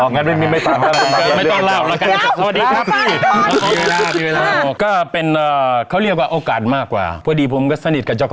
อ๋องั้นไม่ตัดไม่ตัดไม่ตัดไม่ตัดไม่ตัดไม่ตัดไม่ตัดไม่ตัดไม่ตัดไม่ตัดไม่ตัด